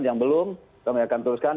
yang belum kami akan teruskan